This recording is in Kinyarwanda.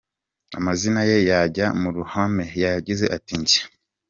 amazina ye yajya mu ruhame, yagize ati, Njye.